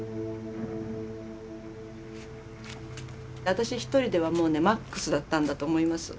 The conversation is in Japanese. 私一人ではもうねマックスだったんだと思います。